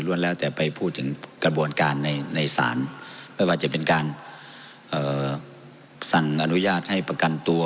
แล้วแต่ไปพูดถึงกระบวนการในศาลไม่ว่าจะเป็นการสั่งอนุญาตให้ประกันตัว